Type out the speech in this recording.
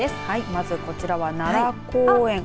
まず、こちらは奈良公園。